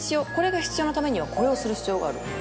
でこれが必要なためにはこれをする必要がある。